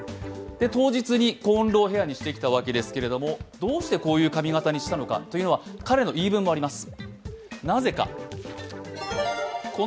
当日にコーンロウヘアにしてきたわけですがどうしてこういう髪形にしたのかというのは、彼の言い分もあります。